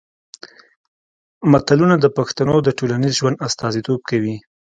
متلونه د پښتنو د ټولنیز ژوند استازیتوب کوي